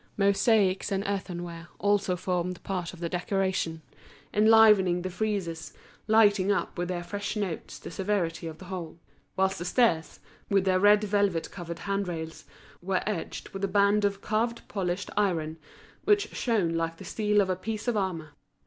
Mosaics and earthenware also formed part of the decoration, enlivening the friezes, lighting up with their fresh notes the severity of the whole; whilst the stairs, with their red velvet covered hand rails, were edged with a band of carved polished iron, which shone like the steel of a piece of armour.